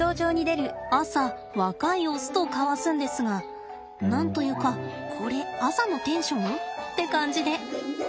朝若いオスと交わすんですが何と言うかこれ朝のテンション？って感じで。